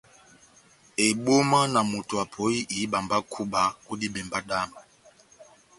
Ebóma na moto apɔhi ihíba mba kúba ó dibembá dami !